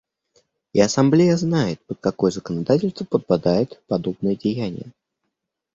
И Ассамблея знает, под какое законодательство подпадает подобное деяние.